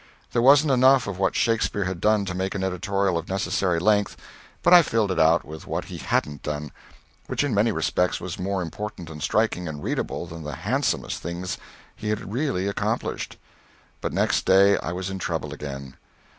There wasn't enough of what Shakespeare had done to make an editorial of the necessary length, but I filled it out with what he hadn't done which in many respects was more important and striking and readable than the handsomest things he had really accomplished. But next day I was in trouble again.